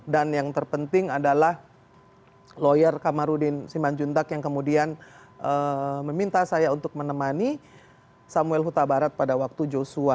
dan yang terpenting adalah lawyer kamarudin siman juntak yang kemudian meminta saya untuk menemani samuel huta barat pada waktu joshua